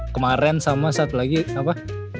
kemarin sama satu lagi apa